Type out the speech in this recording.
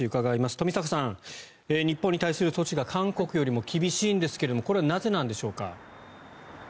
冨坂さん、日本に対する措置が韓国よりも厳しいんですけどもこれはなぜなんでしょうか。